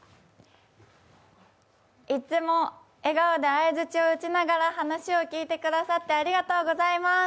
いつも笑顔で相づちを打ちながら話を聞いてくださってありがとうございます。